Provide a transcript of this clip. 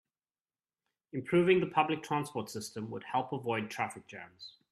Improving the public transport system would help avoid traffic jams.